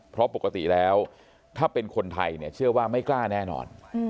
เพราะปกติแล้วถ้าเป็นคนไทยเนี่ยเชื่อว่าไม่กล้าแน่นอน